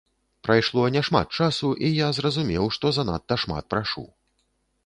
Прайшло няшмат часу, і я зразумеў, што занадта шмат прашу.